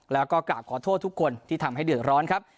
แล้วก็กราบขอโทษทุกคนที่ทำให้เดือดร้อนครับ